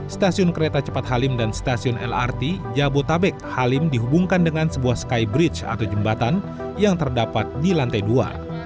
stasiun kereta cepat halim dan stasiun lrt jabotabek halim dihubungkan dengan sebuah skybridge atau jembatan yang terdapat di lantai dua